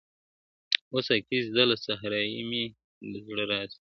o ساقي زده له صراحي مي د زړه رازکی,